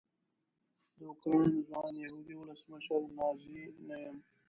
د اوکراین ځوان یهودي ولسمشر نازي نه یم.